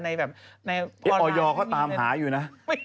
ไม่มีอที่ยอตามหาอยู่นะ